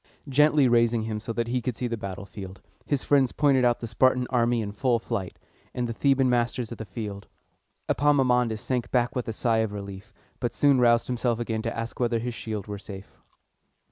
Gently raising him so that he could see the battlefield, his friends pointed out the Spartan army in full flight, and the Thebans masters of the field. Epaminondas sank back with a sigh of relief, but soon roused himself again to ask whether his shield were safe.